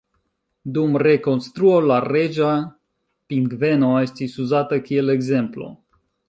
Dum rekonstruo la reĝa pingveno estis uzata kiel ekzemplo.